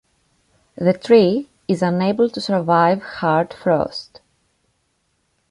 The tree is unable to survive hard frost.